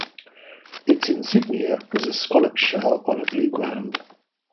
Its insignia was a scallop shell on a blue ground.